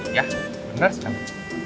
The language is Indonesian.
iya bener sekali